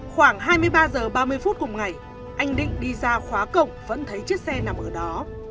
khoảng hai mươi ba h ba mươi phút cùng ngày anh định đi ra khóa cộng vẫn thấy chiếc xe nằm ở đó